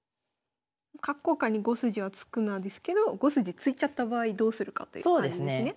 「角交換に５筋は突くな」ですけど５筋突いちゃった場合どうするかという感じですね。